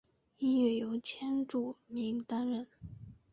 音乐由千住明担当。